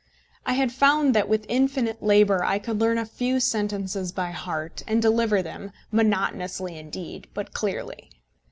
I had found that, with infinite labour, I could learn a few sentences by heart, and deliver them, monotonously indeed, but clearly.